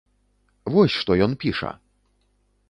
Вось што ён піша!